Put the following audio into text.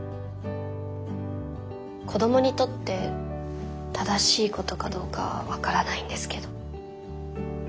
子どもにとって正しいことかどうかは分からないんですけど。